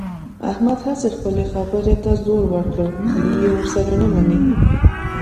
احمد هسې خپلې خبرې ته زور ور کړ، علي یې ورسره نه مني.